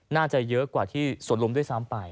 น่าจะเยอะกว่าที่สวนลุมด้วยซ้ำไป